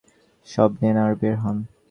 সব নেন আর বের হন।